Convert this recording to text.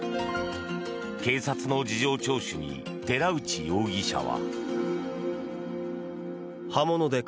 警察の事情聴取に寺内容疑者は。